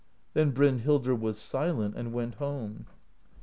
Then Brynhildr was silent, and went home.